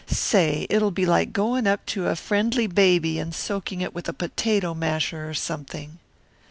Say, it'll be like going up to a friendly baby and soaking it with a potato masher or something."